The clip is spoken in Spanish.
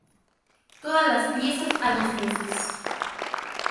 Todas las piezas a dos voces.